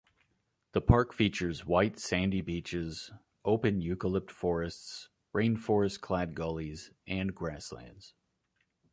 The park features white sandy beaches, open eucalypt forests, rainforest-clad gullies and grasslands.